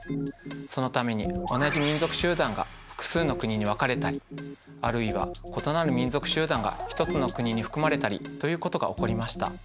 そのために同じ民族集団が複数の国に分かれたりあるいは異なる民族集団が一つの国に含まれたりということが起こりました。